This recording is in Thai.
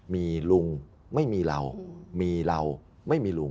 มีลุงไม่มีเรามีเราไม่มีลุง